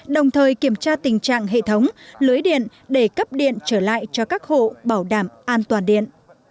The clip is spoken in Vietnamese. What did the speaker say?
đồng thời kiểm tra tình trạng hệ thống lưới điện để cấp điện trở lại cho các hộ bảo đảm an toàn điện